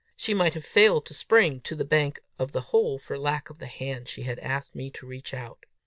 She might have failed to spring to the bank of the hole for lack of the hand she had asked me to reach out!